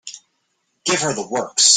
Give her the works.